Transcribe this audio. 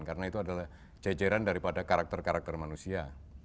karena itu adalah jejeran daripada karakter karakter manusia